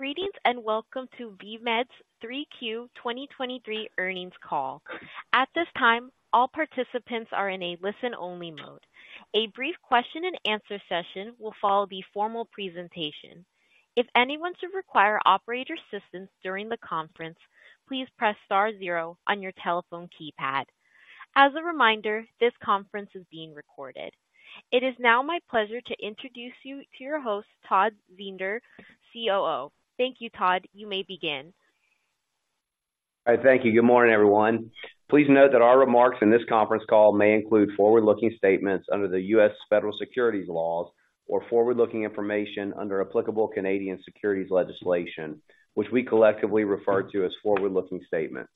Greetings, and welcome to Viemed's 3Q 2023 earnings call. At this time, all participants are in a listen-only mode. A brief question and answer session will follow the formal presentation. If anyone should require operator assistance during the conference, please press star zero on your telephone keypad. As a reminder, this conference is being recorded. It is now my pleasure to introduce you to your host, Todd Zehnder, COO. Thank you, Todd. You may begin. All right, thank you. Good morning, everyone. Please note that our remarks in this conference call may include forward-looking statements under the U.S. Federal Securities laws or forward-looking information under applicable Canadian securities legislation, which we collectively refer to as forward-looking statements.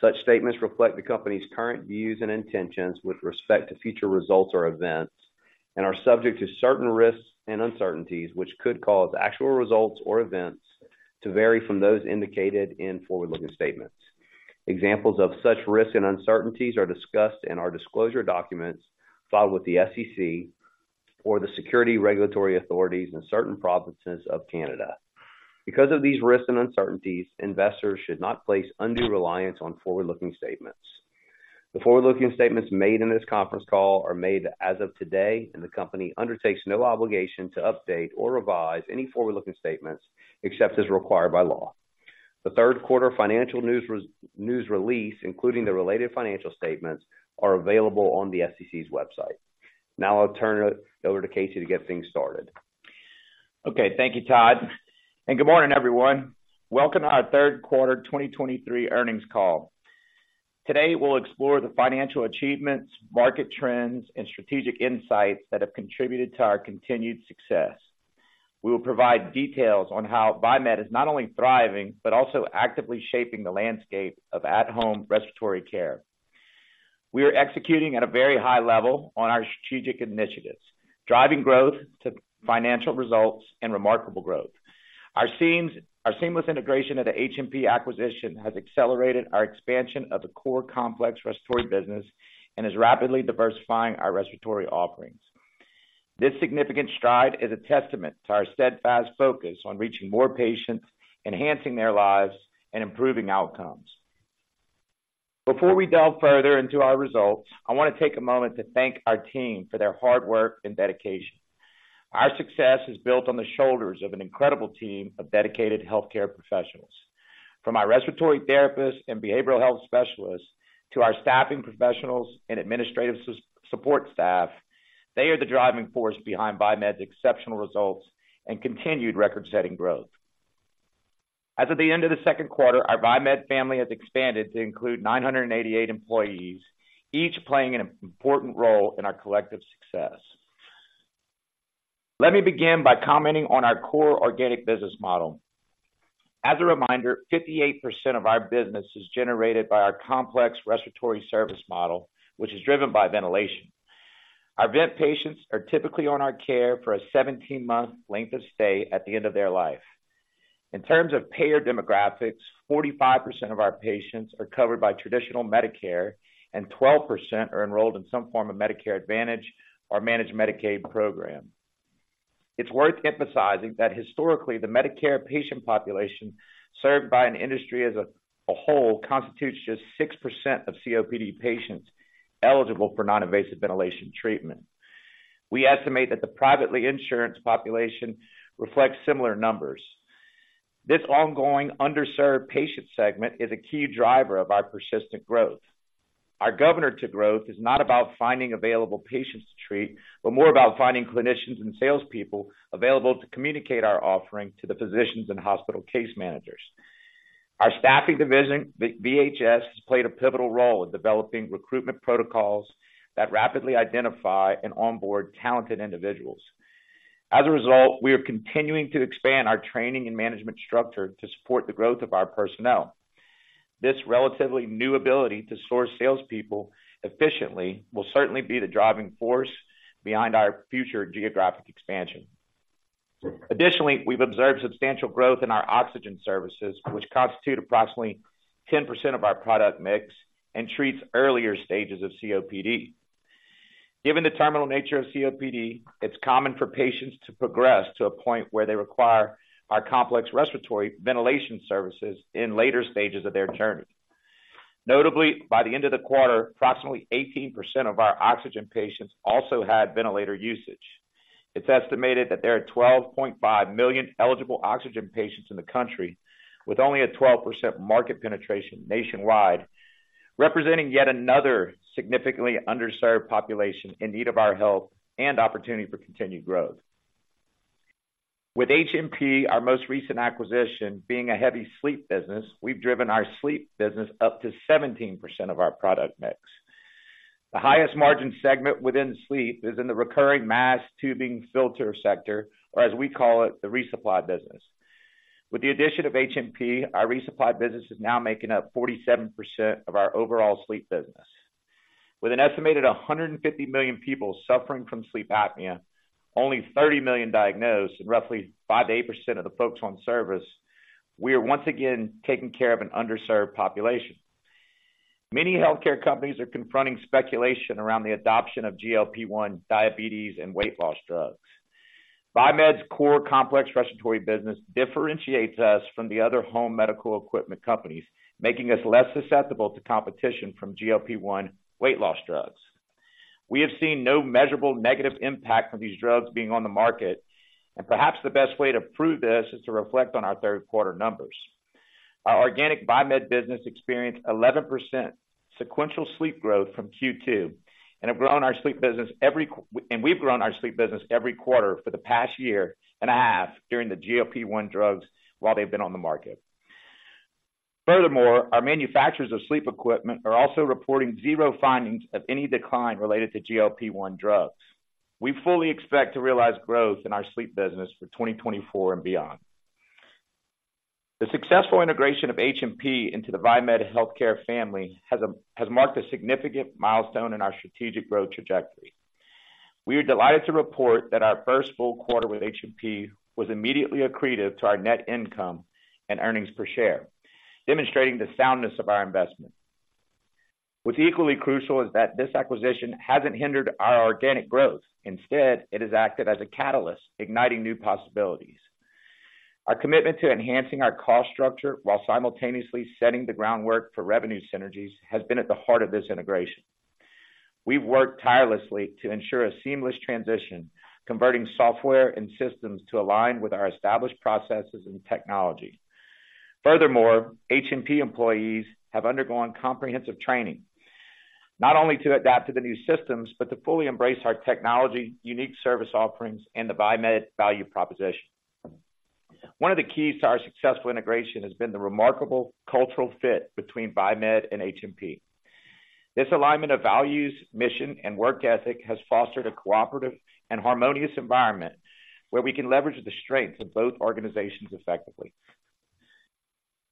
Such statements reflect the company's current views and intentions with respect to future results or events, and are subject to certain risks and uncertainties, which could cause actual results or events to vary from those indicated in forward-looking statements. Examples of such risks and uncertainties are discussed in our disclosure documents filed with the SEC or the securities regulatory authorities in certain provinces of Canada. Because of these risks and uncertainties, investors should not place undue reliance on forward-looking statements. The forward-looking statements made in this conference call are made as of today, and the company undertakes no obligation to update or revise any forward-looking statements, except as required by law. The third quarter financial news release, including the related financial statements, are available on the SEC's website. Now I'll turn it over to Casey to get things started. Okay. Thank you, Todd, and good morning, everyone. Welcome to our third quarter 2023 earnings call. Today, we'll explore the financial achievements, market trends, and strategic insights that have contributed to our continued success. We will provide details on how Viemed is not only thriving, but also actively shaping the landscape of at-home respiratory care. We are executing at a very high level on our strategic initiatives, driving growth to financial results and remarkable growth. Our seamless integration of the HMP acquisition has accelerated our expansion of the core complex respiratory business and is rapidly diversifying our respiratory offerings. This significant stride is a testament to our steadfast focus on reaching more patients, enhancing their lives, and improving outcomes. Before we delve further into our results, I wanna take a moment to thank our team for their hard work and dedication. Our success is built on the shoulders of an incredible team of dedicated healthcare professionals. From our respiratory therapists and behavioral health specialists, to our staffing professionals and administrative support staff, they are the driving force behind Viemed's exceptional results and continued record-setting growth. As of the end of the second quarter, our Viemed family has expanded to include 988 employees, each playing an important role in our collective success. Let me begin by commenting on our core organic business model. As a reminder, 58% of our business is generated by our complex respiratory service model, which is driven by ventilation. Our vent patients are typically on our care for a 17-month length of stay at the end of their life. In terms of payer demographics, 45% of our patients are covered by traditional Medicare, and 12% are enrolled in some form of Medicare Advantage or Managed Medicaid program. It's worth emphasizing that historically, the Medicare patient population served by an industry as a whole, constitutes just 6% of COPD patients eligible for non-invasive ventilation treatment. We estimate that the privately insured population reflects similar numbers. This ongoing underserved patient segment is a key driver of our persistent growth. Our governor to growth is not about finding available patients to treat, but more about finding clinicians and salespeople available to communicate our offering to the physicians and hospital case managers. Our staffing division, VHS, has played a pivotal role in developing recruitment protocols that rapidly identify and onboard talented individuals. As a result, we are continuing to expand our training and management structure to support the growth of our personnel. This relatively new ability to source salespeople efficiently will certainly be the driving force behind our future geographic expansion. Additionally, we've observed substantial growth in our oxygen services, which constitute approximately 10% of our product mix and treats earlier stages of COPD. Given the terminal nature of COPD, it's common for patients to progress to a point where they require our complex respiratory ventilation services in later stages of their journey. Notably, by the end of the quarter, approximately 18% of our oxygen patients also had ventilator usage. It's estimated that there are 12.5 million eligible oxygen patients in the country, with only a 12% market penetration nationwide, representing yet another significantly underserved population in need of our help and opportunity for continued growth. With HMP, our most recent acquisition, being a heavy sleep business, we've driven our sleep business up to 17% of our product mix. The highest margin segment within sleep is in the recurring mask, tubing, filter sector, or as we call it, the resupply business. With the addition of HMP, our resupply business is now making up 47% of our overall sleep business. With an estimated 150 million people suffering from sleep apnea, only 30 million diagnosed and roughly 5%-8% of the folks on service, we are once again taking care of an underserved population. Many healthcare companies are confronting speculation around the adoption of GLP-1 diabetes and weight loss drugs. VieMed's core complex respiratory business differentiates us from the other home medical equipment companies, making us less susceptible to competition from GLP-1 weight loss drugs. We have seen no measurable negative impact from these drugs being on the market, and perhaps the best way to prove this is to reflect on our third quarter numbers. Our organic VieMed business experienced 11% sequential sleep growth from Q2, and we've grown our sleep business every quarter for the past year and a half during the GLP-1 drugs while they've been on the market. Furthermore, our manufacturers of sleep equipment are also reporting zero findings of any decline related to GLP-1 drugs. We fully expect to realize growth in our sleep business for 2024 and beyond. The successful integration of HMP into the Viemed Healthcare family has marked a significant milestone in our strategic growth trajectory. We are delighted to report that our first full quarter with HMP was immediately accretive to our net income and earnings per share, demonstrating the soundness of our investment. What's equally crucial is that this acquisition hasn't hindered our organic growth. Instead, it has acted as a catalyst, igniting new possibilities. Our commitment to enhancing our cost structure while simultaneously setting the groundwork for revenue synergies, has been at the heart of this integration. We've worked tirelessly to ensure a seamless transition, converting software and systems to align with our established processes and technology. Furthermore, HMP employees have undergone comprehensive training, not only to adapt to the new systems, but to fully embrace our technology, unique service offerings, and the VieMed value proposition. One of the keys to our successful integration has been the remarkable cultural fit between VieMed and HMP. This alignment of values, mission, and work ethic has fostered a cooperative and harmonious environment where we can leverage the strengths of both organizations effectively.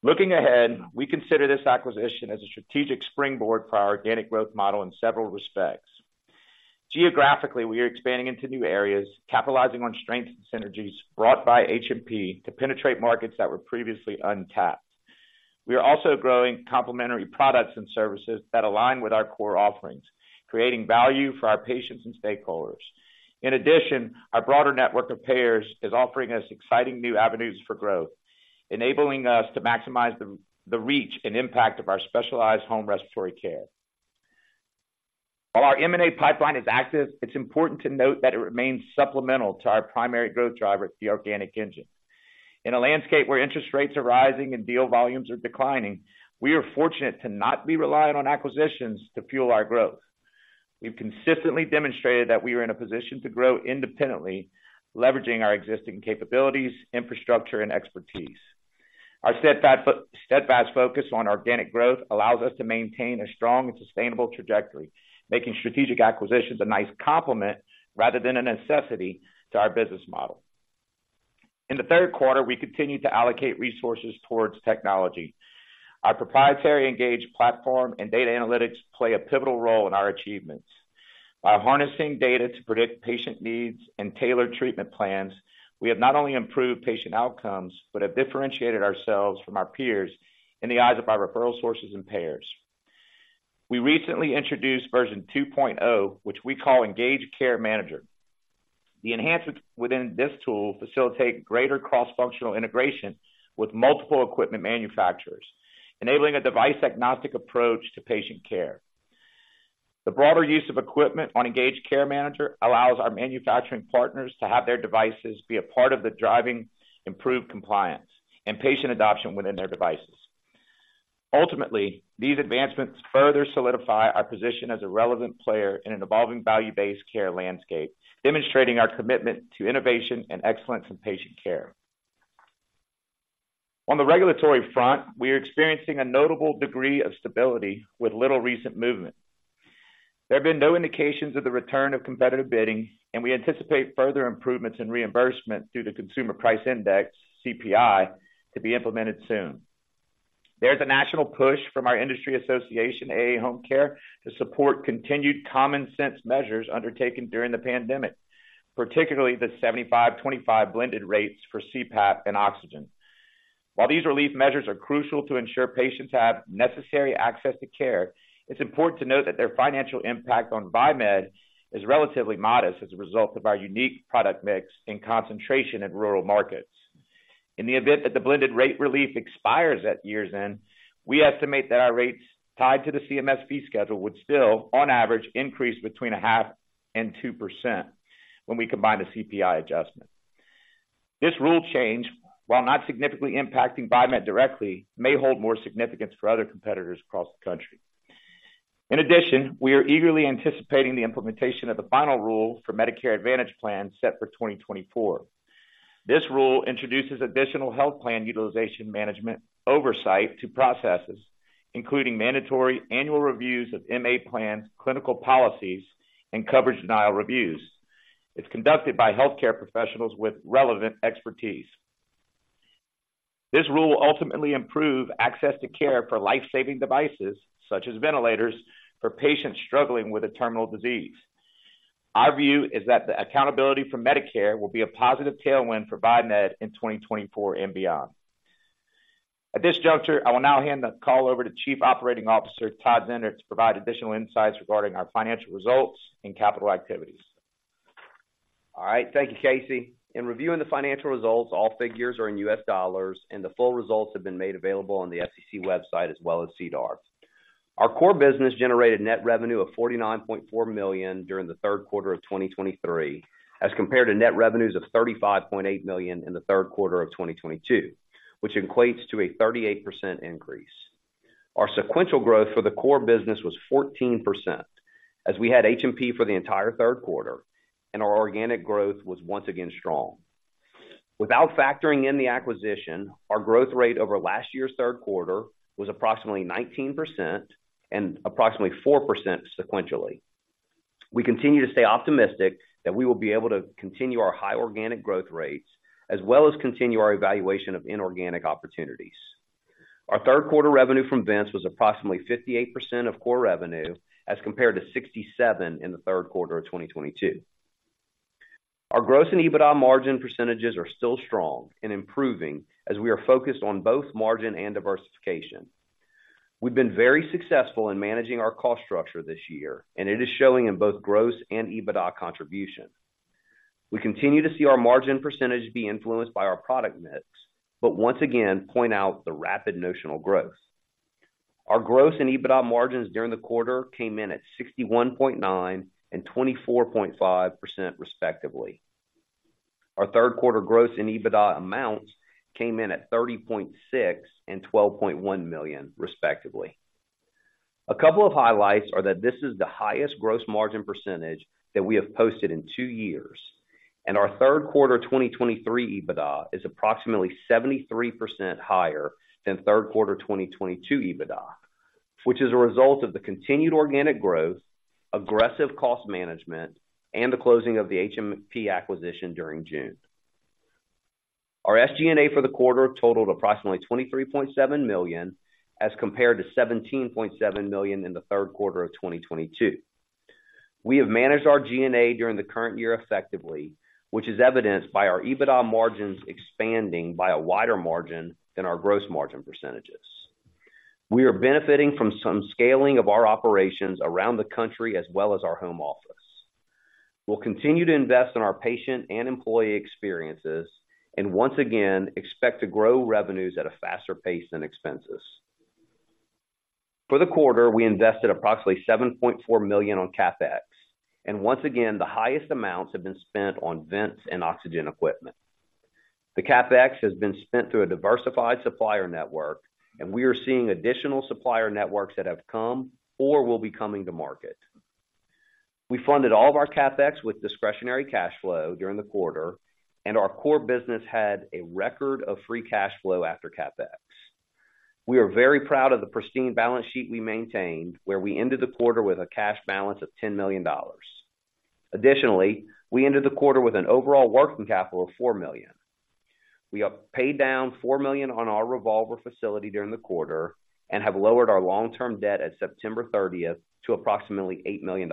Looking ahead, we consider this acquisition as a strategic springboard for our organic growth model in several respects. Geographically, we are expanding into new areas, capitalizing on strengths and synergies brought by HMP to penetrate markets that were previously untapped. We are also growing complementary products and services that align with our core offerings, creating value for our patients and stakeholders. In addition, our broader network of payers is offering us exciting new avenues for growth, enabling us to maximize the reach and impact of our specialized home respiratory care. While our M&A pipeline is active, it's important to note that it remains supplemental to our primary growth driver, the organic engine. In a landscape where interest rates are rising and deal volumes are declining, we are fortunate to not be reliant on acquisitions to fuel our growth. We've consistently demonstrated that we are in a position to grow independently, leveraging our existing capabilities, infrastructure, and expertise. Our steadfast, steadfast focus on organic growth allows us to maintain a strong and sustainable trajectory, making strategic acquisitions a nice complement rather than a necessity to our business model. In the third quarter, we continued to allocate resources towards technology. Our proprietary Engage platform and data analytics play a pivotal role in our achievements. By harnessing data to predict patient needs and tailored treatment plans, we have not only improved patient outcomes, but have differentiated ourselves from our peers in the eyes of our referral sources and payers. We recently introduced version 2.0, which we call Engage Care Manager. The enhancements within this tool facilitate greater cross-functional integration with multiple equipment manufacturers, enabling a device-agnostic approach to patient care. The broader use of equipment on Engage Care Manager allows our manufacturing partners to have their devices be a part of the driving improved compliance and patient adoption within their devices. Ultimately, these advancements further solidify our position as a relevant player in an evolving value-based care landscape, demonstrating our commitment to innovation and excellence in patient care. On the regulatory front, we are experiencing a notable degree of stability with little recent movement. There have been no indications of the return of competitive bidding, and we anticipate further improvements in reimbursement through the Consumer Price Index, CPI, to be implemented soon. There's a national push from our industry association, AAHomecare, to support continued common sense measures undertaken during the pandemic, particularly the 75/25 blended rates for CPAP and oxygen. While these relief measures are crucial to ensure patients have necessary access to care, it's important to note that their financial impact on VieMed is relatively modest as a result of our unique product mix and concentration in rural markets. In the event that the blended rate relief expires at year's end, we estimate that our rates tied to the CMS fee schedule would still, on average, increase between 0.5% and 2% when we combine the CPI adjustment. This rule change, while not significantly impacting VieMed directly, may hold more significance for other competitors across the country. In addition, we are eagerly anticipating the implementation of the final rule for Medicare Advantage Plans set for 2024. This rule introduces additional health plan utilization management oversight to processes, including mandatory annual reviews of MA plans, clinical policies, and coverage denial reviews. It's conducted by healthcare professionals with relevant expertise. This rule will ultimately improve access to care for life-saving devices such as ventilators, for patients struggling with a terminal disease. Our view is that the accountability from Medicare will be a positive tailwind for VieMed in 2024 and beyond. At this juncture, I will now hand the call over to Chief Operating Officer, Todd Zehnder, to provide additional insights regarding our financial results and capital activities. All right. Thank you, Casey. In reviewing the financial results, all figures are in US dollars, and the full results have been made available on the SEC website as well as SEDAR. Our core business generated net revenue of $49.4 million during the third quarter of 2023, as compared to net revenues of $35.8 million in the third quarter of 2022, which equates to a 38% increase. Our sequential growth for the core business was 14%, as we had HMP for the entire third quarter, and our organic growth was once again strong. Without factoring in the acquisition, our growth rate over last year's third quarter was approximately 19% and approximately 4% sequentially. We continue to stay optimistic that we will be able to continue our high organic growth rates, as well as continue our evaluation of inorganic opportunities. Our third quarter revenue from vents was approximately 58% of core revenue, as compared to 67% in the third quarter of 2022. Our gross and EBITDA margin percentages are still strong and improving as we are focused on both margin and diversification. We've been very successful in managing our cost structure this year, and it is showing in both gross and EBITDA contribution. We continue to see our margin percentage be influenced by our product mix, but once again, point out the rapid notional growth. Our gross and EBITDA margins during the quarter came in at 61.9% and 24.5%, respectively. Our third quarter gross and EBITDA amounts came in at $30.6 million and $12.1 million, respectively. A couple of highlights are that this is the highest gross margin percentage that we have posted in 2 years, and our third quarter 2023 EBITDA is approximately 73% higher than third quarter 2022 EBITDA, which is a result of the continued organic growth, aggressive cost management, and the closing of the HMP acquisition during June. Our SG&A for the quarter totaled approximately $23.7 million, as compared to $17.7 million in the third quarter of 2022. We have managed our G&A during the current year effectively, which is evidenced by our EBITDA margins expanding by a wider margin than our gross margin percentages. We are benefiting from some scaling of our operations around the country, as well as our home office. We'll continue to invest in our patient and employee experiences, and once again, expect to grow revenues at a faster pace than expenses. For the quarter, we invested approximately $7.4 million on CapEx, and once again, the highest amounts have been spent on vents and oxygen equipment. The CapEx has been spent through a diversified supplier network, and we are seeing additional supplier networks that have come or will be coming to market. We funded all of our CapEx with discretionary cash flow during the quarter, and our core business had a record of free cash flow after CapEx. We are very proud of the pristine balance sheet we maintained, where we ended the quarter with a cash balance of $10 million. Additionally, we ended the quarter with an overall working capital of $4 million. We have paid down $4 million on our revolver facility during the quarter and have lowered our long-term debt at September 30 to approximately $8 million.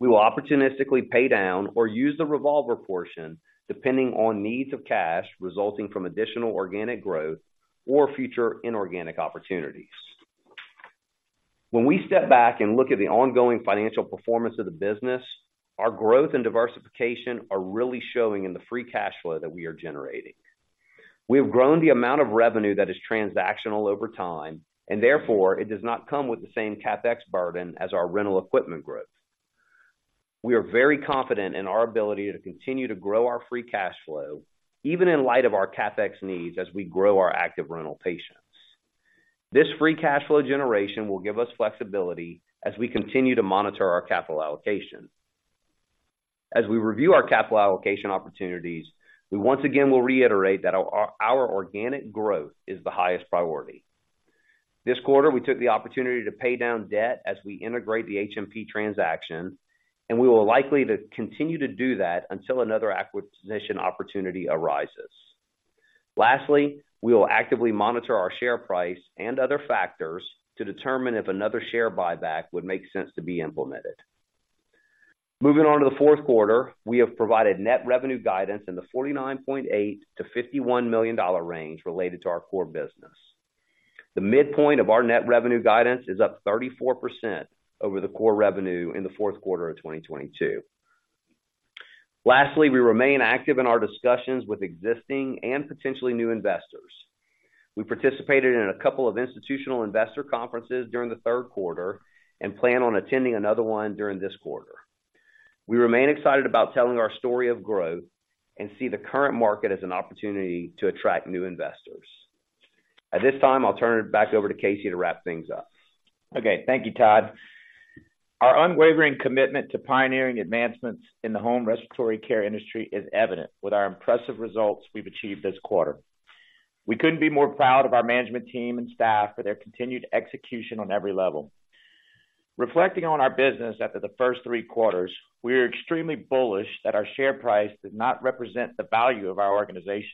We will opportunistically pay down or use the revolver portion depending on needs of cash resulting from additional organic growth or future inorganic opportunities. When we step back and look at the ongoing financial performance of the business, our growth and diversification are really showing in the free cash flow that we are generating. We have grown the amount of revenue that is transactional over time, and therefore, it does not come with the same CapEx burden as our rental equipment growth. We are very confident in our ability to continue to grow our free cash flow, even in light of our CapEx needs, as we grow our active rental patients. This free cash flow generation will give us flexibility as we continue to monitor our capital allocation. As we review our capital allocation opportunities, we once again will reiterate that our organic growth is the highest priority. This quarter, we took the opportunity to pay down debt as we integrate the HMP transaction, and we will likely to continue to do that until another acquisition opportunity arises. Lastly, we will actively monitor our share price and other factors to determine if another share buyback would make sense to be implemented. Moving on to the fourth quarter, we have provided net revenue guidance in the $49.8 million-$51 million range related to our core business. The midpoint of our net revenue guidance is up 34% over the core revenue in the fourth quarter of 2022. Lastly, we remain active in our discussions with existing and potentially new investors. We participated in a couple of institutional investor conferences during the third quarter and plan on attending another one during this quarter. We remain excited about telling our story of growth and see the current market as an opportunity to attract new investors. At this time, I'll turn it back over to Casey to wrap things up. Okay, thank you, Todd. Our unwavering commitment to pioneering advancements in the home respiratory care industry is evident with our impressive results we've achieved this quarter. We couldn't be more proud of our management team and staff for their continued execution on every level. Reflecting on our business after the first three quarters, we are extremely bullish that our share price does not represent the value of our organization.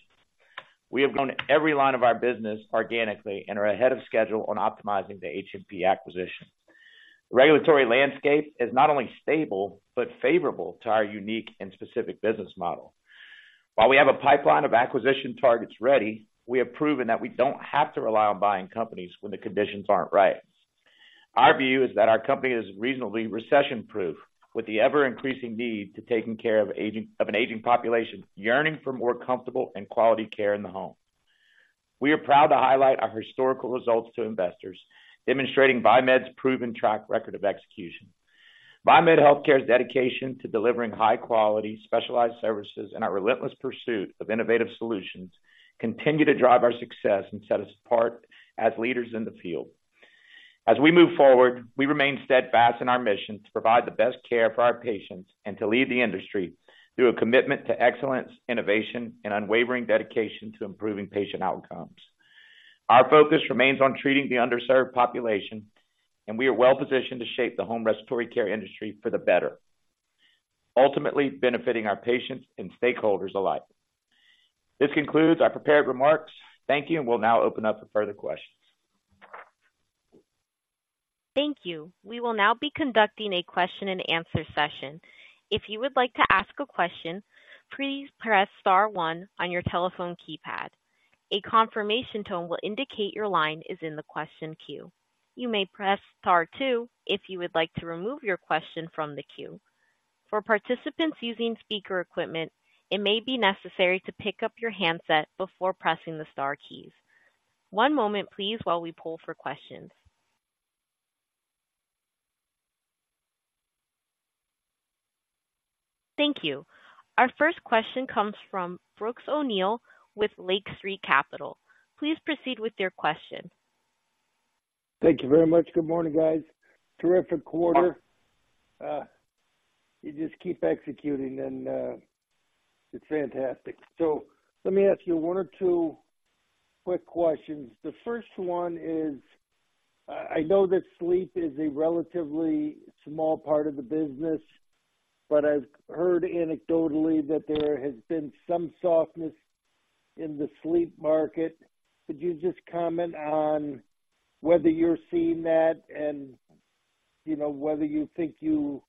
We have grown every line of our business organically and are ahead of schedule on optimizing the HMP acquisition. The regulatory landscape is not only stable, but favorable to our unique and specific business model. While we have a pipeline of acquisition targets ready, we have proven that we don't have to rely on buying companies when the conditions aren't right. Our view is that our company is reasonably recession-proof, with the ever-increasing need to take care of an aging population yearning for more comfortable and quality care in the home. We are proud to highlight our historical results to investors, demonstrating Viemed's proven track record of execution. Viemed Healthcare's dedication to delivering high quality, specialized services, and our relentless pursuit of innovative solutions, continue to drive our success and set us apart as leaders in the field. As we move forward, we remain steadfast in our mission to provide the best care for our patients and to lead the industry through a commitment to excellence, innovation, and unwavering dedication to improving patient outcomes. Our focus remains on treating the underserved population, and we are well-positioned to shape the home respiratory care industry for the better, ultimately benefiting our patients and stakeholders alike. This concludes our prepared remarks. Thank you, and we'll now open up for further questions. Thank you. We will now be conducting a question-and-answer session. If you would like to ask a question, please press star one on your telephone keypad. A confirmation tone will indicate your line is in the question queue. You may press star two, if you would like to remove your question from the queue. For participants using speaker equipment, it may be necessary to pick up your handset before pressing the star keys. One moment, please, while we pull for questions. Thank you. Our first question comes from Brooks O'Neil with Lake Street Capital. Please proceed with your question. Thank you very much. Good morning, guys. Terrific quarter. You just keep executing and, it's fantastic. So let me ask you one or two quick questions. The first one is, I know that sleep is a relatively small part of the business, but I've heard anecdotally that there has been some softness in the sleep market. Could you just comment on whether you're seeing that and, you know, whether you think you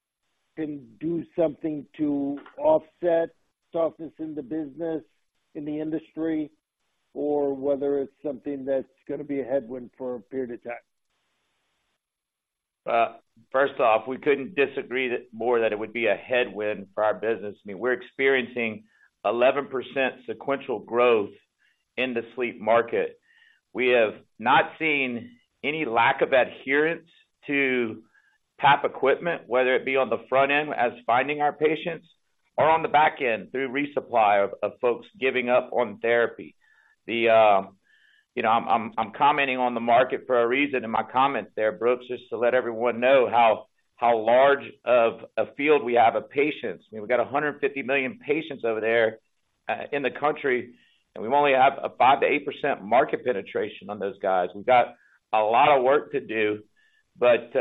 can do something to offset softness in the business, in the industry, or whether it's something that's gonna be a headwind for a period of time? First off, we couldn't disagree more that it would be a headwind for our business. I mean, we're experiencing 11% sequential growth in the sleep market. We have not seen any lack of adherence to PAP equipment, whether it be on the front end, as finding our patients, or on the back end, through resupply of folks giving up on therapy. The, you know, I'm commenting on the market for a reason in my comments there, Brooks, just to let everyone know how large of a field we have of patients. We've got 150 million patients over there in the country, and we only have a 5%-8% market penetration on those guys. We've got a lot of work to do, but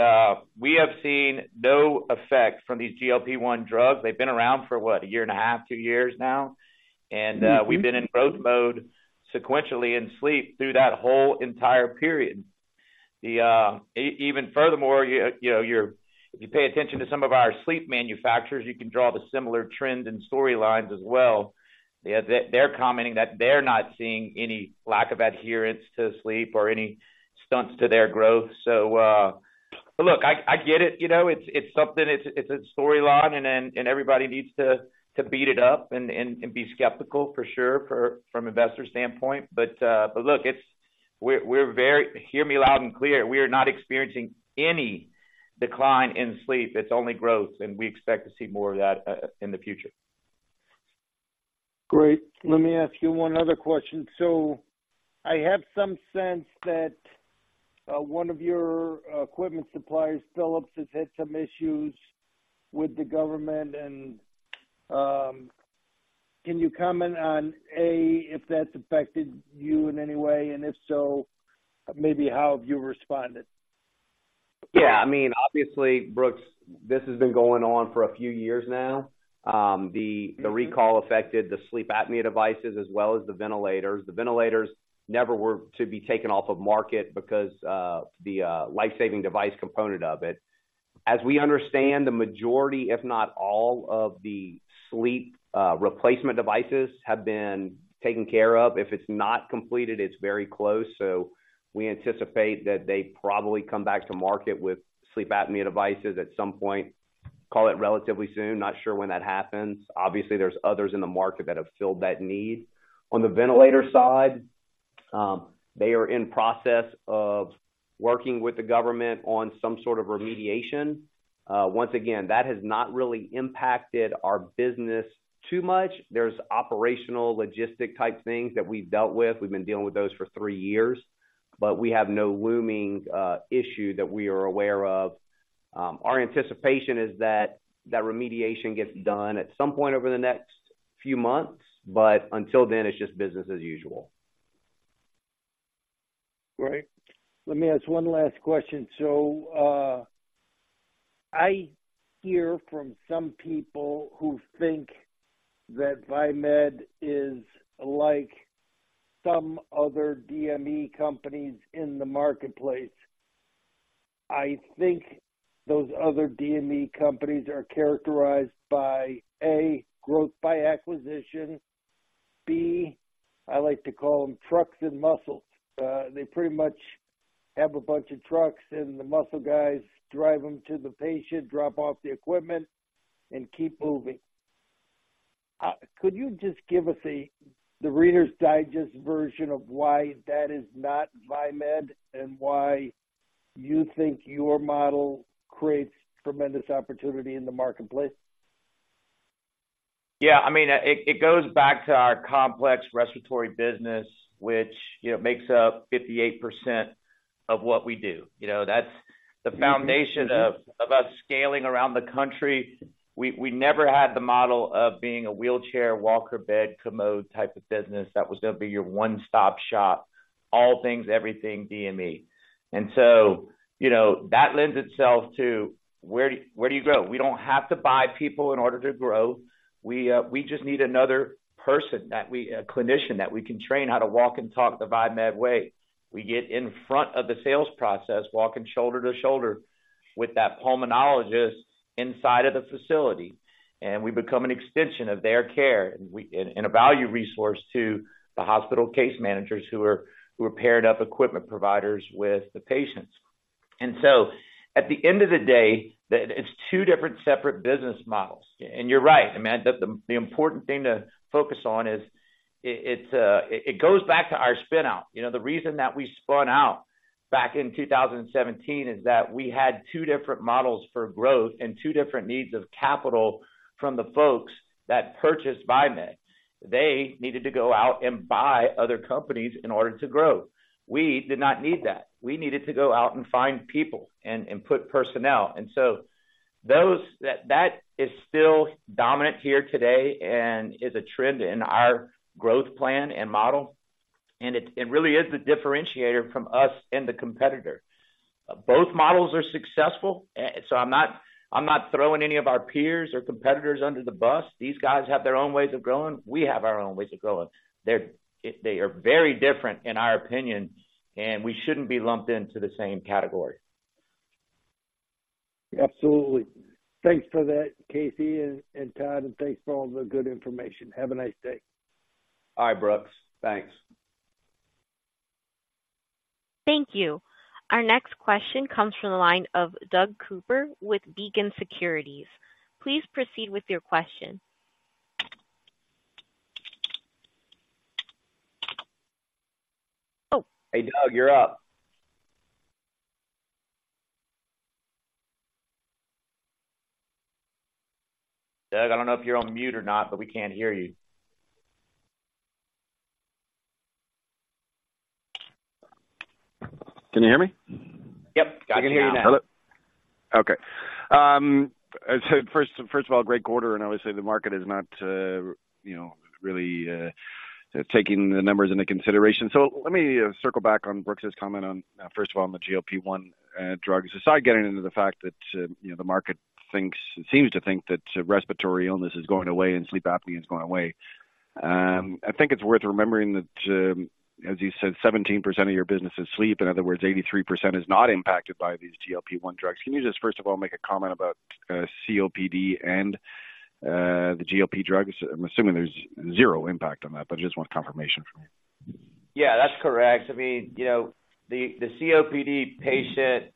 we have seen no effect from these GLP-1 drugs. They've been around for, what, a year and a half, two years now, and we've been in growth mode sequentially in sleep through that whole entire period. Even furthermore, you know, if you pay attention to some of our sleep manufacturers, you can draw the similar trends and storylines as well. They're commenting that they're not seeing any lack of adherence to sleep or any stunts to their growth. So, but look, I get it, you know, it's something, it's a storyline, and everybody needs to beat it up and be skeptical for sure, from an investor standpoint. But look, we're Hear me loud and clear, we are not experiencing any decline in sleep. It's only growth, and we expect to see more of that in the future. Great. Let me ask you one other question. So I have some sense that one of your equipment suppliers, Philips, has had some issues with the government, and can you comment on A, if that's affected you in any way, and if so, maybe how have you responded? Yeah, I mean, obviously, Brooks, this has been going on for a few years now. The recall affected the sleep apnea devices as well as the ventilators. The ventilators never were to be taken off of market because the life-saving device component of it. As we understand, the majority, if not all, of the sleep replacement devices have been taken care of. If it's not completed, it's very close, so we anticipate that they probably come back to market with sleep apnea devices at some point, call it relatively soon. Not sure when that happens. Obviously, there's others in the market that have filled that need. On the ventilator side, they are in process of working with the government on some sort of remediation. Once again, that has not really impacted our business too much. There's operational logistic type things that we've dealt with. We've been dealing with those for three years, but we have no looming issue that we are aware of. Our anticipation is that, that remediation gets done at some point over the next few months, but until then, it's just business as usual. Great. Let me ask one last question. So, I hear from some people who think that Viemed is like some other DME companies in the marketplace. I think those other DME companies are characterized by, A. growth by acquisition. B. I like to call them trucks and muscles. They pretty much have a bunch of trucks, and the muscle guys drive them to the patient, drop off the equipment, and keep moving. Could you just give us the Reader's Digest version of why that is not Viemed, and why you think your model creates tremendous opportunity in the marketplace? Yeah, I mean, it goes back to our complex respiratory business, which, you know, makes up 58% of what we do. You know, that's the foundation of us scaling around the country. We never had the model of being a wheelchair, walker, bed, commode type of business that was going to be your one-stop shop, all things, everything DME. And so, you know, that lends itself to where do you grow? We don't have to buy people in order to grow. We just need another person that we, aclinician, that we can train how to walk and talk the Viemed way. We get in front of the sales process, walking shoulder to shoulder with that pulmonologist inside of the facility, and we become an extension of their care, and a value resource to the hospital case managers who are paired up equipment providers with the patients. And so at the end of the day, it's two different separate business models. And you're right, I mean, the important thing to focus on is, it's, it goes back to our spinout. You know, the reason that we spun out back in 2017 is that we had two different models for growth and two different needs of capital from the folks that purchased Viemed. They needed to go out and buy other companies in order to grow. We did not need that. We needed to go out and find people and put personnel. And so that is still dominant here today and is a trend in our growth plan and model, and it really is the differentiator from us and the competitor. Both models are successful, so I'm not, I'm not throwing any of our peers or competitors under the bus. These guys have their own ways of growing. We have our own ways of growing. They are very different in our opinion, and we shouldn't be lumped into the same category. Absolutely. Thanks for that, Casey and Todd, and thanks for all the good information. Have a nice day. Bye, Brooks. Thanks. Thank you. Our next question comes from the line of Doug Cooper with Beacon Securities. Please proceed with your question. Oh! Hey, Doug, you're up. Doug, I don't know if you're on mute or not, but we can't hear you. Can you hear me? Yep, I can hear you now. Hello? Okay. So first, first of all, great quarter, and obviously, the market is not, you know, really taking the numbers into consideration. So let me circle back on Brooks' comment on, first of all, on the GLP-1 drugs. Aside getting into the fact that, you know, the market thinks, seems to think that respiratory illness is going away and sleep apnea is going away, I think it's worth remembering that, as you said, 17% of your business is sleep. In other words, 83% is not impacted by these GLP-1 drugs. Can you just, first of all, make a comment about COPD and the GLP drugs? I'm assuming there's zero impact on that, but I just want confirmation from you. Yeah, that's correct. I mean, you know, the COPD patient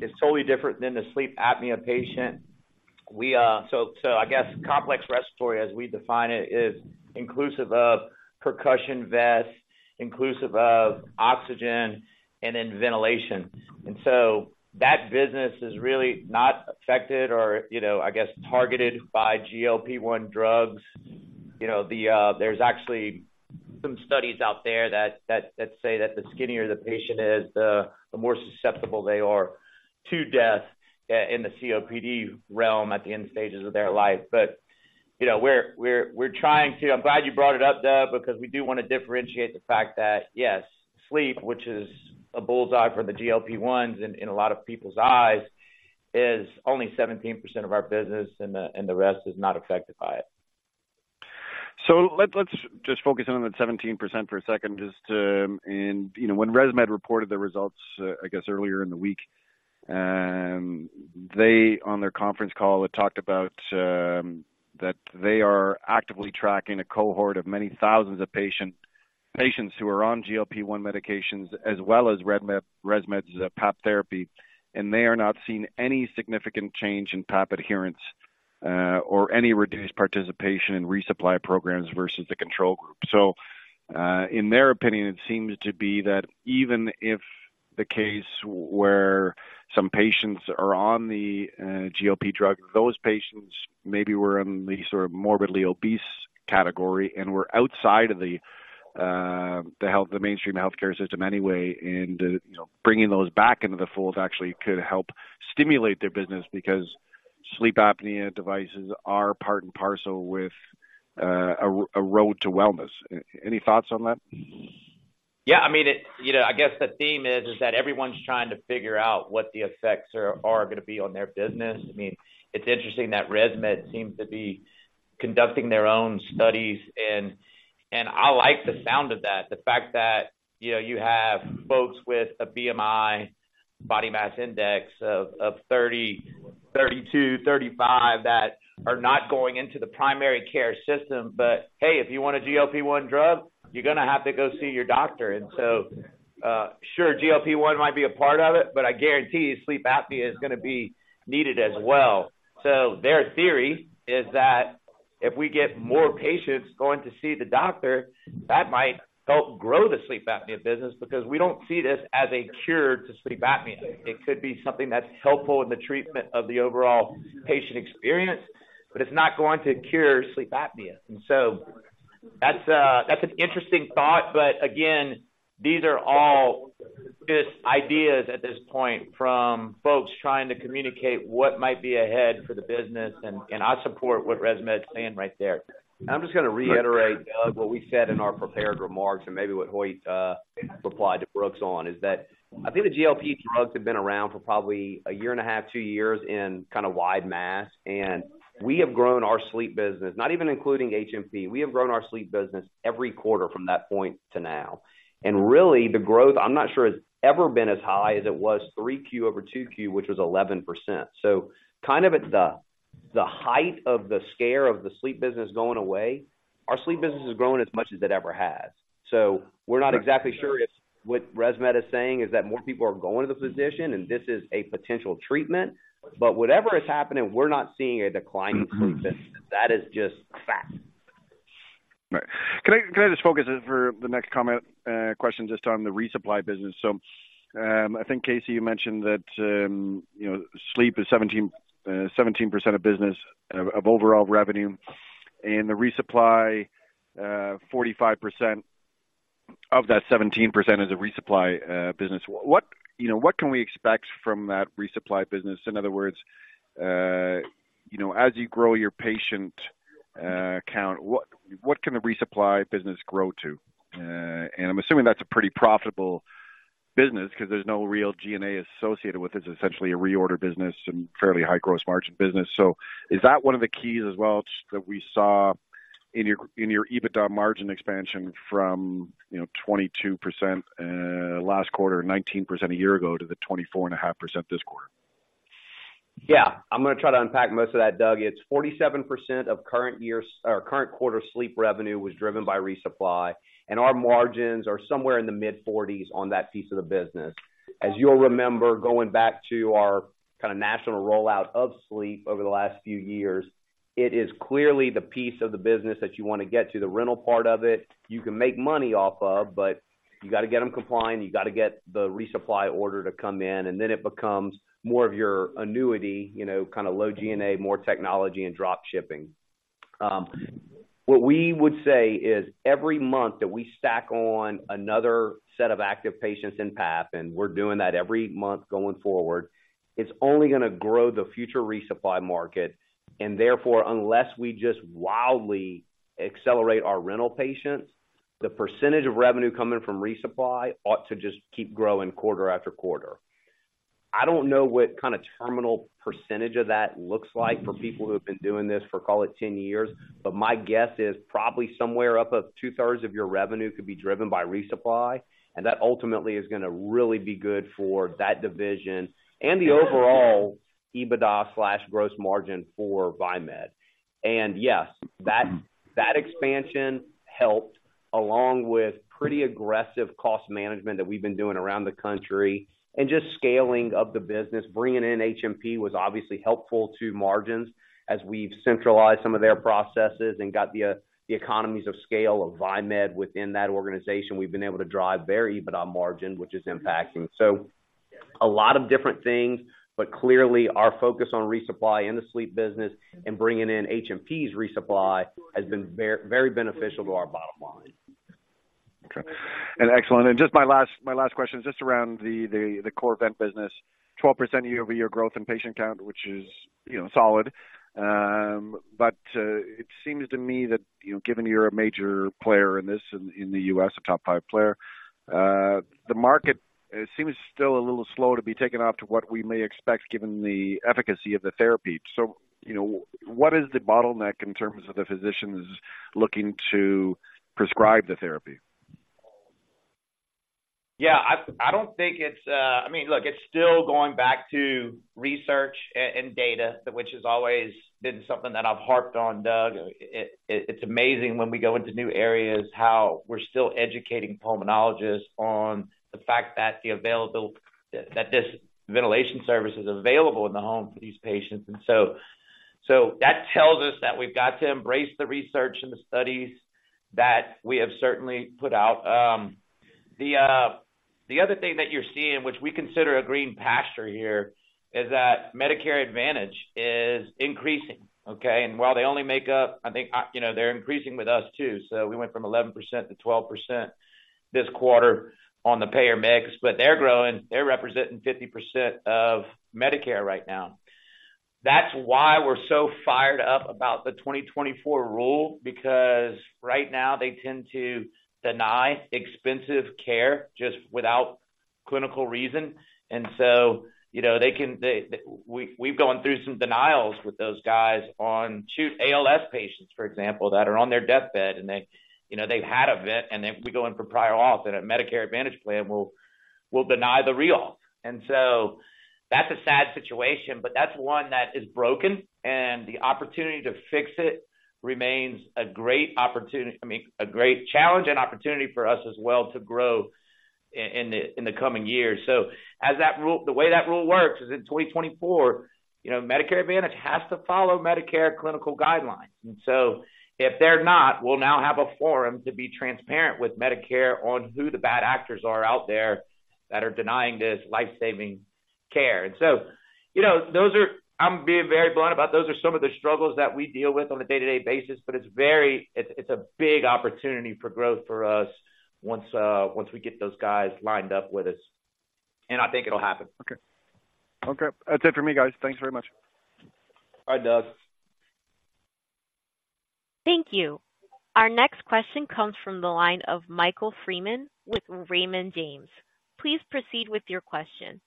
is totally different than the sleep apnea patient. We... So I guess complex respiratory, as we define it, is inclusive of percussion vests, inclusive of oxygen and then ventilation. And so that business is really not affected or, you know, I guess, targeted by GLP-1 drugs. You know, the, there's actually some studies out there that say that the skinnier the patient is, the more susceptible they are to death in the COPD realm at the end stages of their life. But, you know, we're trying to, I'm glad you brought it up, Doug, because we do want to differentiate the fact that, yes, sleep, which is a bull's-eye for the GLP-1s in a lot of people's eyes, is only 17% of our business, and the rest is not affected by it. So let's just focus in on that 17% for a second, just to... And, you know, when ResMed reported the results, I guess, earlier in the week, they, on their conference call, had talked about that they are actively tracking a cohort of many thousands of patients who are on GLP-1 medications, as well as ResMed's PAP therapy, and they are not seeing any significant change in PAP adherence, or any reduced participation in resupply programs versus the control group. So, in their opinion, it seems to be that even if the case where some patients are on the, GLP drug, those patients maybe were in the sort of morbidly obese category and were outside of the, the mainstream healthcare system anyway, and, you know, bringing those back into the fold actually could help stimulate their business because-... sleep apnea devices are part and parcel with, a road to wellness. Any thoughts on that? Yeah, I mean, you know, I guess the theme is that everyone's trying to figure out what the effects are gonna be on their business. I mean, it's interesting that ResMed seems to be conducting their own studies, and I like the sound of that. The fact that, you know, you have folks with a BMI, body mass index, of 30, 32, 35, that are not going into the primary care system, but, "Hey, if you want a GLP-1 drug, you're gonna have to go see your doctor." And so, sure, GLP-1 might be a part of it, but I guarantee you sleep apnea is gonna be needed as well. So their theory is that if we get more patients going to see the doctor, that might help grow the sleep apnea business, because we don't see this as a cure to sleep apnea. It could be something that's helpful in the treatment of the overall patient experience, but it's not going to cure sleep apnea. And so that's, that's an interesting thought, but again, these are all just ideas at this point from folks trying to communicate what might be ahead for the business, and, and I support what ResMed's saying right there. And I'm just gonna reiterate, Doug, what we said in our prepared remarks, and maybe what Hoyt replied to Brooks on, is that I think the GLP drugs have been around for probably a year and a half, two years in kind of wide mass, and we have grown our sleep business, not even including HMP. We have grown our sleep business every quarter from that point to now, and really, the growth, I'm not sure, has ever been as high as it was 3Q over 2Q, which was 11%. So kind of at the height of the scare of the sleep business going away, our sleep business has grown as much as it ever has. So we're not exactly sure if what ResMed is saying is that more people are going to the physician, and this is a potential treatment, but whatever is happening, we're not seeing a decline in sleep business. That is just fact. Right. Can I, can I just focus for the next comment, question, just on the resupply business? So, I think, Casey, you mentioned that, you know, sleep is 17, 17% of business of, of overall revenue, and the resupply, 45% of that 17% is a resupply, business. What... You know, what can we expect from that resupply business? In other words, you know, as you grow your patient, count, what, what can the resupply business grow to? And I'm assuming that's a pretty profitable business because there's no real G&A associated with this, essentially a reorder business and fairly high gross margin business. So is that one of the keys as well, that we saw in your, in your EBITDA margin expansion from, you know, 22% last quarter, 19% a year ago, to the 24.5% this quarter? Yeah. I'm gonna try to unpack most of that, Doug. It's 47% of current year's, or current quarter sleep revenue was driven by resupply, and our margins are somewhere in the mid-40s% on that piece of the business. As you'll remember, going back to our kind of national rollout of sleep over the last few years, it is clearly the piece of the business that you want to get to. The rental part of it, you can make money off of, but you got to get them compliant, you got to get the resupply order to come in, and then it becomes more of your annuity, you know, kind of low G&A, more technology and drop shipping. What we would say is, every month that we stack on another set of active patients in path, and we're doing that every month going forward, it's only gonna grow the future resupply market, and therefore, unless we just wildly accelerate our rental patients, the percentage of revenue coming from resupply ought to just keep growing quarter after quarter. I don't know what kind of terminal percentage of that looks like for people who have been doing this for, call it, 10 years, but my guess is probably somewhere up of two-thirds of your revenue could be driven by resupply, and that ultimately is gonna really be good for that division and the overall EBITDA/gross margin for Viemed. And yes, that, that expansion helped, along with pretty aggressive cost management that we've been doing around the country and just scaling of the business. Bringing in HMP was obviously helpful to margins as we've centralized some of their processes and got the, the economies of scale of Viemed within that organization. We've been able to drive their EBITDA margin, which is impacting. So a lot of different things, but clearly, our focus on resupply in the sleep business and bringing in HMP's resupply has been very beneficial to our bottom line. Okay. And excellent. And just my last question, just around the core vent business. 12% year-over-year growth in patient count, which is, you know, solid. But it seems to me that, you know, given you're a major player in this in the U.S., a top five player, the market seems still a little slow to be taking off to what we may expect, given the efficacy of the therapy. So, you know, what is the bottleneck in terms of the physicians looking to prescribe the therapy? Yeah, I don't think it's... I mean, look, it's still going back to research and data, which has always been something that I've harped on, Doug. It's amazing when we go into new areas, how we're still educating pulmonologists on the fact that the available-- that this ventilation service is available in the home for these patients. So that tells us that we've got to embrace the research and the studies that we have certainly put out. The other thing that you're seeing, which we consider a green pasture here, is that Medicare Advantage is increasing, okay? And while they only make up, I think, you know, they're increasing with us, too, so we went from 11%-12% this quarter on the payer mix, but they're growing. They're representing 50% of Medicare right now. That's why we're so fired up about the 2024 rule, because right now they tend to deny expensive care just without clinical reason. And so, you know, they can – we've gone through some denials with those guys on 2 ALS patients, for example, that are on their deathbed, and they, you know, they've had an event, and then we go in for prior auth, and a Medicare Advantage plan will deny the re-auth. And so that's a sad situation, but that's one that is broken, and the opportunity to fix it remains a great opportunity, I mean, a great challenge and opportunity for us as well to grow in the coming years. So as that rule – the way that rule works is, in 2024, you know, Medicare Advantage has to follow Medicare clinical guidelines. And so if they're not, we'll now have a forum to be transparent with Medicare on who the bad actors are out there that are denying this life-saving care. And so, you know, those are... I'm being very blunt about, those are some of the struggles that we deal with on a day-to-day basis, but it's very, it's, it's a big opportunity for growth for us once, once we get those guys lined up with us, and I think it'll happen. Okay. Okay, that's it for me, guys. Thanks very much. Bye, Doug. Thank you. Our next question comes from the line of Michael Freeman with Raymond James. Please proceed with your question.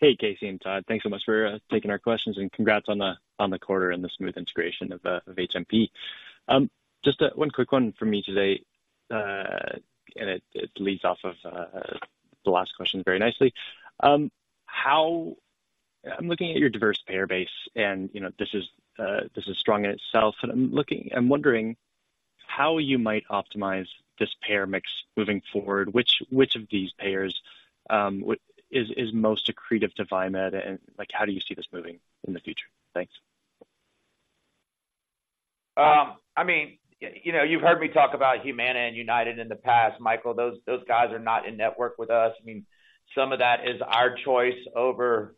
Hey, Casey and Todd. Thanks so much for taking our questions, and congrats on the quarter and the smooth integration of HMP. Just one quick one from me today, and it leads off of the last question very nicely. How -- I'm looking at your diverse payer base, and, you know, this is strong in itself, and I'm looking-- I'm wondering how you might optimize this payer mix moving forward. Which, which of these payers would-- is most accretive to Viemed, and, like, how do you see this moving in the future? Thanks. I mean, you know, you've heard me talk about Humana and United in the past, Michael. Those guys are not in network with us. I mean, some of that is our choice over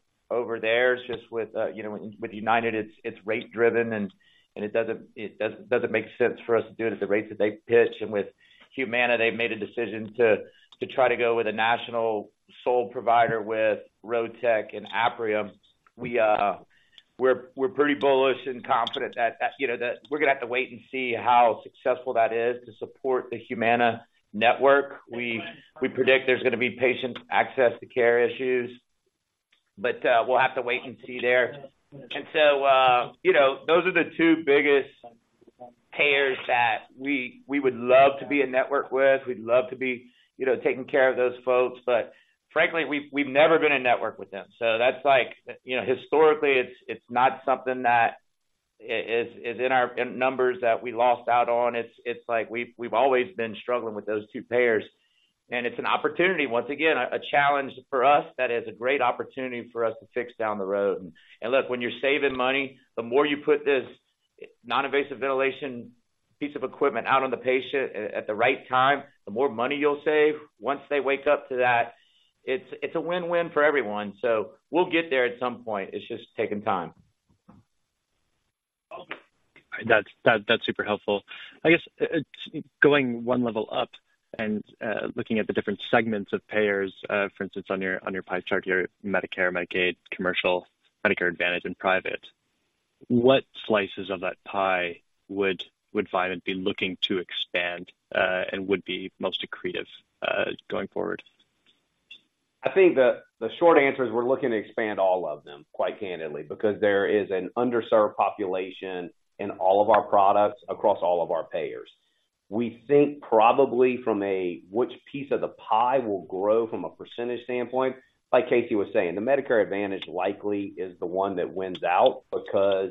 theirs, just with, you know, with United, it's rate driven and it doesn't make sense for us to do it at the rates that they pitch. And with Humana, they've made a decision to try to go with a national sole provider with Rotech and Apria. We're pretty bullish and confident that, you know, that we're gonna have to wait and see how successful that is to support the Humana network. We predict there's gonna be patient access to care issues, but we'll have to wait and see there. So, you know, those are the two biggest payers that we would love to be in network with. We'd love to be, you know, taking care of those folks, but frankly, we've never been in network with them. So that's like, you know, historically, it's not something that is in our numbers that we lost out on. It's like we've always been struggling with those two payers, and it's an opportunity, once again, a challenge for us that is a great opportunity for us to fix down the road. And look, when you're saving money, the more you put this non-invasive ventilation piece of equipment out on the patient at the right time, the more money you'll save once they wake up to that. It's a win-win for everyone, so we'll get there at some point. It's just taking time. That's super helpful. I guess, going one level up and looking at the different segments of payers, for instance, on your pie chart, your Medicare, Medicaid, commercial, Medicare Advantage, and private, what slices of that pie would VieMed be looking to expand, and would be most accretive, going forward? I think the short answer is we're looking to expand all of them, quite candidly, because there is an underserved population in all of our products across all of our payers. We think probably from a which piece of the pie will grow from a percentage standpoint, like Casey was saying, the Medicare Advantage likely is the one that wins out because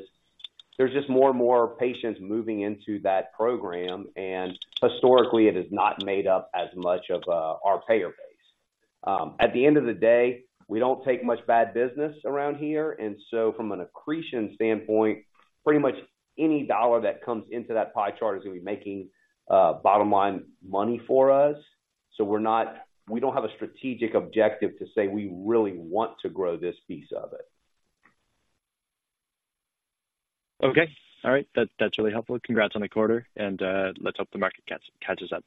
there's just more and more patients moving into that program, and historically, it has not made up as much of our payer base. At the end of the day, we don't take much bad business around here, and so from an accretion standpoint, pretty much any dollar that comes into that pie chart is gonna be making bottom line money for us. So we're not, we don't have a strategic objective to say, we really want to grow this piece of it. Okay. All right. That, that's really helpful. Congrats on the quarter, and let's hope the market catches up.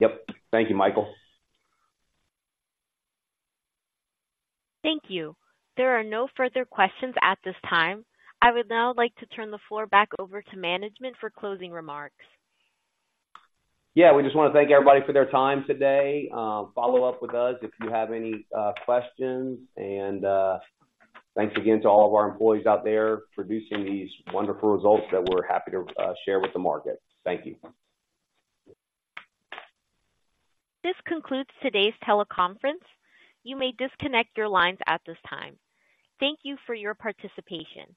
Yep. Thank you, Michael. Thank you. There are no further questions at this time. I would now like to turn the floor back over to management for closing remarks. Yeah, we just want to thank everybody for their time today. Follow up with us if you have any questions. Thanks again to all of our employees out there producing these wonderful results that we're happy to share with the market. Thank you. This concludes today's teleconference. You may disconnect your lines at this time. Thank you for your participation.